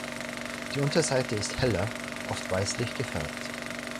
Die Unterseite ist heller, oft weißlich gefärbt.